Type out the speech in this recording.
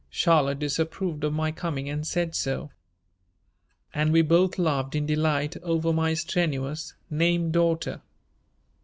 Charlotte disapproved of my coming and said so," and we both laughed in delight over my strenuous name daughter.